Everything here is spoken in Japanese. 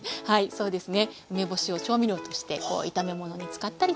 そうですね。